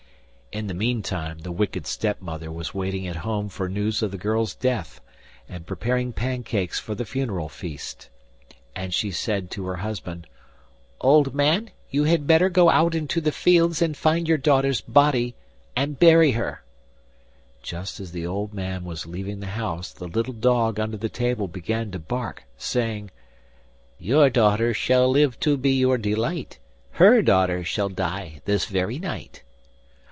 In the meantime the wicked step mother was waiting at home for news of the girl's death, and preparing pancakes for the funeral feast. And she said to her husband: 'Old man, you had better go out into the fields and find your daughter's body and bury her.' Just as the old man was leaving the house the little dog under the table began to bark, saying: 'YOUR daughter shall live to be your delight; HER daughter shall die this very night.